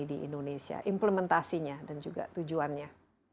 di indonesia implementasinya dan juga tujuannya